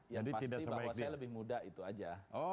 yang pasti bahwa saya lebih muda itu aja